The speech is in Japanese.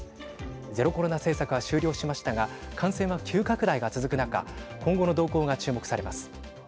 ゼロコロナ政策は終了しましたが感染は急拡大が続く中今後の動向が注目されます。